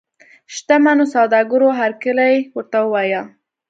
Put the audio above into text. شته منو سوداګرو هرکلی ورته ووایه.